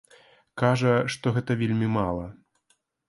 Кажа, што гэтага вельмі мала.